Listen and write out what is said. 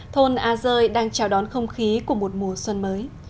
thôn a rơi đang chào đón không khí của một mùa xuân mới